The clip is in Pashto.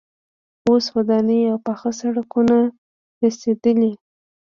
اوس ودانۍ او پاخه سړکونه رسیدلي.